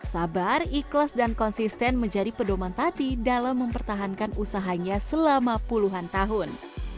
sabar ikhlas dan konsisten menjadi pedoman tati dalam mempertahankan usahanya selama puluhan tahun